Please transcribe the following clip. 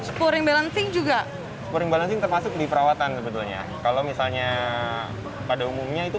spurring balancing juga termasuk di perawatan sebetulnya kalau misalnya pada umumnya itu